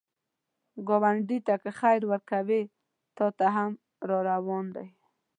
ګاونډي ته که خیر ورکوې، تا ته هم راروان دی